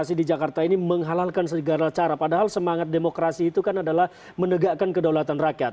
demokrasi di jakarta ini menghalalkan segala cara padahal semangat demokrasi itu kan adalah menegakkan kedaulatan rakyat